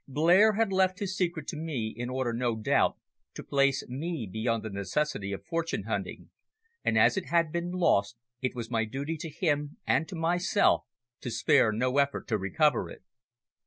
Blair had left his secret to me, in order, no doubt, to place me beyond the necessity of fortune hunting, and as it had been lost it was my duty to him and to myself to spare no effort to recover it.